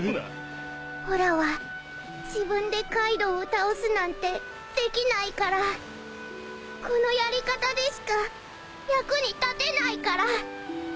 おらは自分でカイドウを倒すなんてできないからこのやり方でしか役に立てないから。